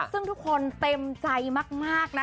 ซึ่งทุกคนเต็มใจมากนะ